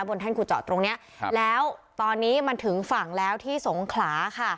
แท่นขุดเจาะตรงเนี้ยครับแล้วตอนนี้มันถึงฝั่งแล้วที่สงขลาค่ะ